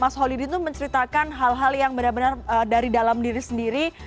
mas holidin itu menceritakan hal hal yang benar benar dari dalam diri sendiri